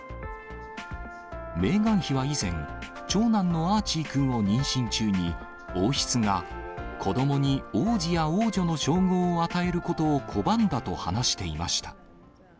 メーガン妃は以前、長男のアーチー君を妊娠中に、王室が、子どもに王子や王女の称号を与えることを拒んだと話していました。